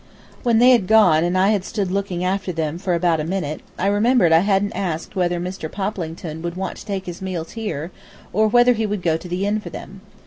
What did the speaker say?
When they had gone and I had stood looking after them for about a minute, I remembered I hadn't asked whether Mr. Poplington would want to take his meals here, or whether he would go to the inn for them.